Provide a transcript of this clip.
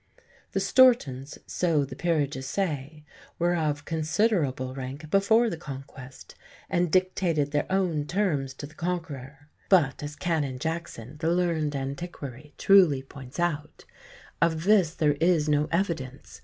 The Stourtons, so the "Peerages" say, were "of considerable rank before the Conquest, and dictated their own terms to the Conqueror"; but, as Canon Jackson, the learned antiquary, truly points out, "of this there is no evidence.